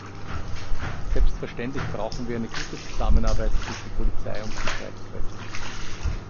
Selbstverständlich brauchen wir eine gute Zusammenarbeit zwischen Polizei und Sicherheitskräften.